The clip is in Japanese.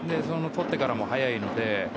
とってからも早いので。